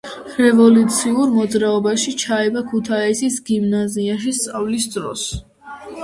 რევოლუციურ მოძრაობაში ჩაება ქუთაისის გიმნაზიაში სწავლის დროს.